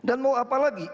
dan mau apalagi